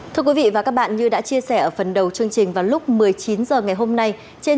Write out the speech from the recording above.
thưa quý vị và các bạn như đã chia sẻ ở phần đầu chương trình vào lúc một mươi chín h ngày hôm nay trên